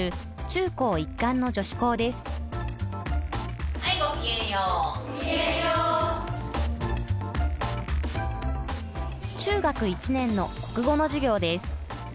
中学１年の国語の授業です。